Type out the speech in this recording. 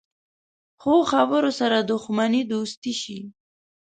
ښو خبرو سره دښمني دوستي شي.